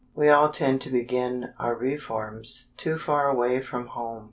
We all tend to begin our reforms too far away from home.